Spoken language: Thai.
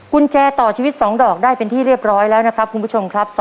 กุญแจต่อชีวิต๒ดอกได้เป็นที่เรียบร้อยแล้วนะครับคุณผู้ชมครับ